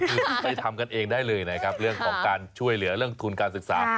คือไปทำกันเองได้เลยนะครับเรื่องของการช่วยเหลือเรื่องทุนการศึกษา